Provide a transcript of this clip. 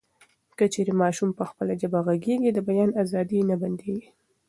که چیري ماشوم په خپله ژبه غږېږي، د بیان ازادي یې نه بندېږي.